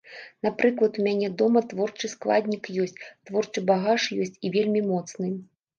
Напрыклад у мяне дома творчы складнік ёсць, творчы багаж ёсць і вельмі моцны.